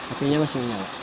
apinya masih menyala